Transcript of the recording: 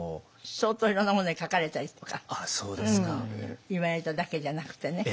相当いろんなものに書かれたりとか言われただけじゃなくてね。